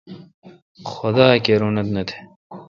خدا اکیر اونتھ نہ تھ۔